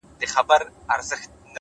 هڅه د وېرې دروازه تړي،